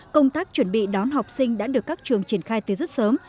công tác chuẩn bị đón học sinh đã được các trường triển khai từ rất sớm